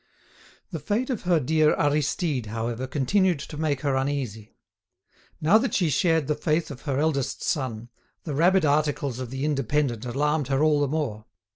The fate of her dear Aristide, however, continued to make her uneasy. Now that she shared the faith of her eldest son, the rabid articles of the "Indépendant" alarmed her all the more.